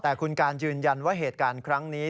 แต่คุณการยืนยันว่าเหตุการณ์ครั้งนี้